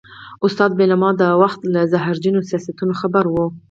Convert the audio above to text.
استاد بينوا د وخت له زهرجنو سیاستونو خبر و.